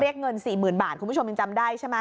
เงิน๔๐๐๐บาทคุณผู้ชมยังจำได้ใช่ไหม